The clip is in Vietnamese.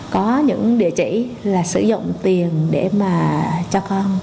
có những cái địa chỉ sử dụng để mua sắm các trao thiết bị để mà tổ chức các hoạt động kinh tế